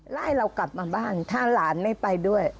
ไล่เรากลับมาบ้านถ้าหลานไม่ไปด้วย